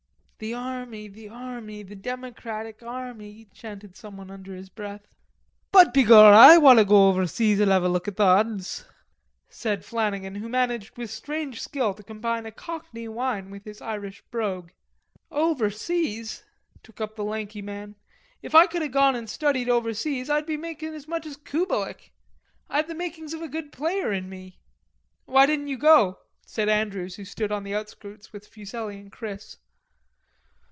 "The army, the army, the democratic army," chanted someone under his breath. "But, begorry, I want to go overseas and 'ave a look at the 'uns," said Flannagan, who managed with strange skill to combine a cockney whine with his Irish brogue. "Overseas?" took up the lanky man. "If I could have gone an' studied overseas, I'd be making as much as Kubelik. I had the makings of a good player in me." "Why don't you go?" asked Andrews, who stood on the outskirts with Fuselli and Chris.